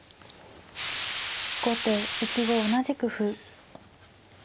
後手１五同じく歩。